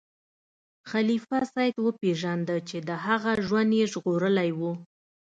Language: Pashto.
خلیفه سید وپیژنده چې د هغه ژوند یې ژغورلی و.